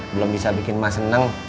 belum bisa bikin mak seneng